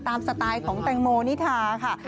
สไตล์ของแตงโมนิทาค่ะ